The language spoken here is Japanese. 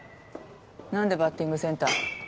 何でバッティングセンター？